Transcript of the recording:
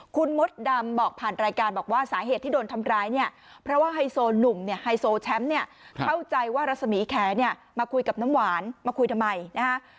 คุณมดดำบอกผ่านรายการบอกว่าสาเหตุที่โดนทำร้ายเนี่ยเพราะว่าไฮโซหนุ่มเนี่ยไฮโซแชมป์เนี่ยเข้าใจว่ารัศมีแขนเนี่ยมาคุยกับน้ำหวานมาคุยทำไมนะฮะ